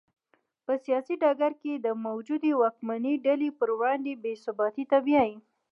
په سیاسي ډګر کې د موجودې واکمنې ډلې پر وړاندې بې ثباتۍ ته بیايي.